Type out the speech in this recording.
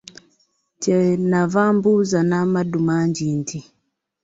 Kye nava mbuuza n'amaddu mangi nti,